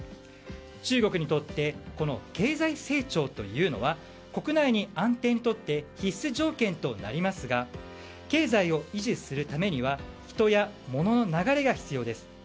中国にとって経済成長というのは国内の安定にとって必須条件となりますが経済を維持するためには人やものの流れが必要です。